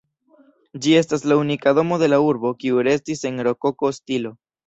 Ĝi estas la unika domo de la urbo kiu restis en rokoko stilo.